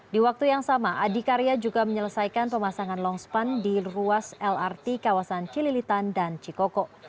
di waktu yang sama adikarya juga menyelesaikan pemasangan longspan di ruas lrt kawasan cililitan dan cikoko